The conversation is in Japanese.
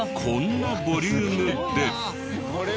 こんなボリュームで。